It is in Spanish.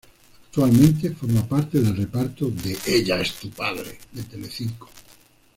Actualmente, forma parte del reparto de "Ella es tu padre", de Telecinco.